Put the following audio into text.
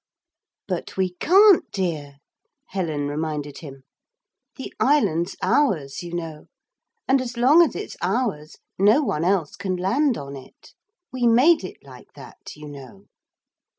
'But we can't, dear,' Helen reminded him. 'The island's ours, you know; and as long as it's ours no one else can land on it. We made it like that, you know.'